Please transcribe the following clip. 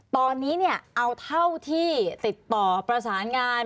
ตอนนี้เนี่ยเอาเท่าที่ติดต่อประสานงาน